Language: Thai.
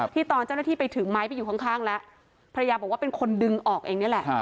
ตอนเจ้าหน้าที่ไปถึงไม้ไปอยู่ข้างแล้วภรรยาบอกว่าเป็นคนดึงออกเองนี่แหละ